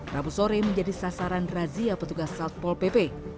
rabu sore menjadi sasaran razia petugas south pole pp